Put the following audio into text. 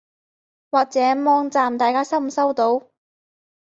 或者網站大家收唔收到？